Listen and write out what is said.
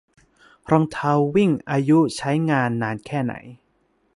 รองเท้าวิ่งอายุใช้งานนานแค่ไหน